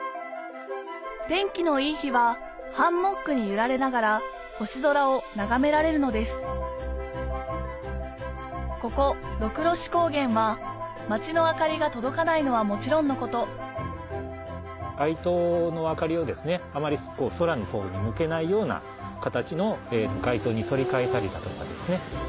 天気のいい日はハンモックに揺られながら星空を眺められるのですここは町の明かりが届かないのはもちろんのこと外灯の明かりをあまり空の方に向けないような形の外灯に取り換えたりだとかですね。